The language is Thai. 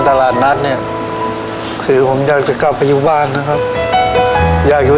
ต้องถูกแล้วนั้น